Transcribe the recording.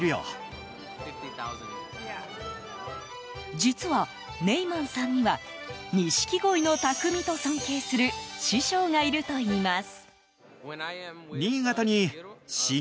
実は、ネイマンさんには錦鯉の匠と尊敬する師匠がいるといいます。